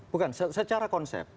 nah bukan secara konsep